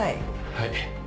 はい。